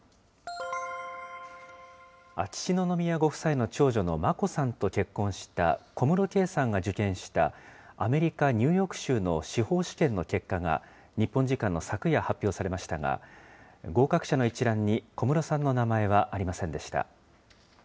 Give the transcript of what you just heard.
秋篠宮ご夫妻の長女の眞子さんと結婚した小室圭さんが受験したアメリカ・ニューヨーク州の司法試験の結果が日本時間の昨夜発表されましたが、合格者の一覧に小室さんの名前はありませんでした。